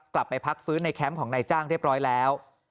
กลับไปพักฟื้นในแคมป์ของนายจ้างเรียบร้อยแล้ว